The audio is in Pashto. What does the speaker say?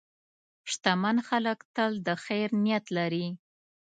شتمن خلک تل د خیر نیت لري.